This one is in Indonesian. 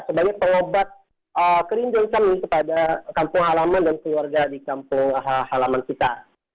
sebagai pengobat kerinduan kami kepada kampung halaman dan keluarga di kampung halaman kita